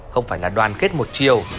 không phải là đoàn kết một chiều